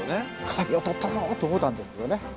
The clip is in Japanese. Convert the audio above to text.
「敵を取ったぞ！」と思ったんですけどね。